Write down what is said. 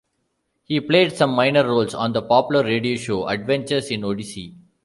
He played some minor roles on the popular radio show, "Adventures in Odyssey".